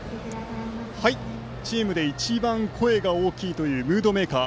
チームで一番声が大きいというムードメーカー